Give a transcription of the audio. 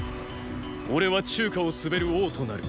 俺は中華を統べる王となる。